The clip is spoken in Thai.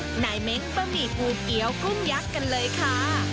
ไหนเม้งบะหมี่ปูเกี้ยวกุ้งยักษ์กันเลยค่ะ